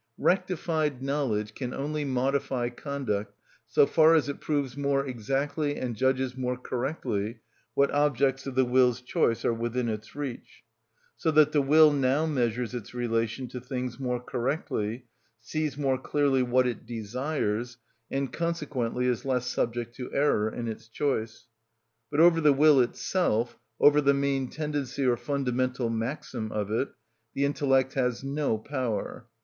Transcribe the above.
Rectified knowledge can only modify conduct so far as it proves more exactly and judges more correctly what objects of the will's choice are within its reach; so that the will now measures its relation to things more correctly, sees more clearly what it desires, and consequently is less subject to error in its choice. But over the will itself, over the main tendency or fundamental maxim of it, the intellect has no power.